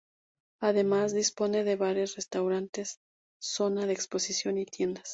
Además dispone de bares, restaurante, zona de exposición y tiendas.